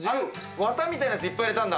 綿みたいなの、いっぱい入れたんだ。